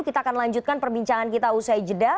kita akan lanjutkan perbincangan kita usai jeda